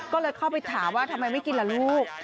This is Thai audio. ก็เลยเข้าไปถามว่าทำไมไม่กินล่ะลูก